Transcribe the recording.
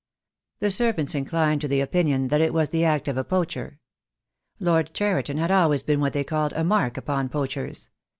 The servants inclined to the opinion that it was the act of a poacher. Lord Cheriton had always been what they called a mark upon poachers.